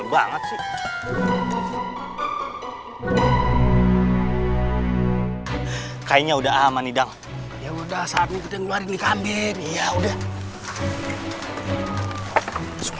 kayaknya udah aman hidang ya udah saat ini kita keluar ini kambing ya udah